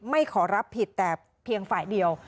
ขอรับผิดแต่เพียงฝ่ายเดียว